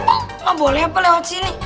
tidak boleh apa lewat sini